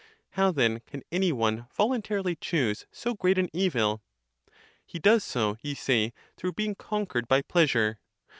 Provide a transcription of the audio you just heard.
How then can any one voluntarily choose so great an evil? He (does so) ye say, through being conquered by pleasure.